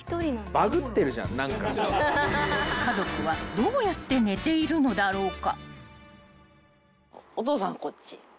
［家族はどうやって寝ているのだろうか］